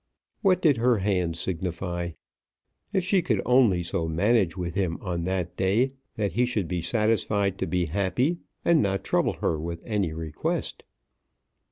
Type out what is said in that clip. What did her hand signify? If she could only so manage with him on that day that he should be satisfied to be happy, and not trouble her with any request.